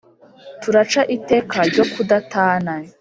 turaca iteka ryo kudatana